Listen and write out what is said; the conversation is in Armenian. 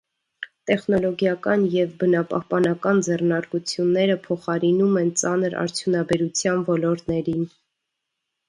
Տեխնոլոգիական և բնապահպանական ձեռնարկությունները փոխարինում են ծանր արդյունաբերության ոլորտներին։